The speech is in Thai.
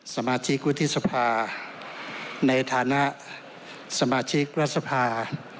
สมาชิกวุฒิสภาในฐานะสมาชิกรัฐสภา